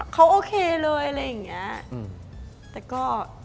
เขาโอเคเลยอะไรอย่างเงี้ยแต่ก็